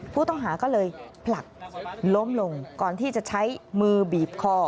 ผู้ต้องหาก็เลยผลักล้มลงก่อนที่จะใช้มือบีบคอ